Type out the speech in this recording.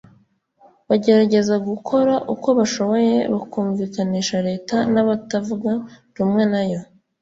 bagerageza gukora uko bashoboye bakumvikanisha leta n’abatavuga rumwe nayo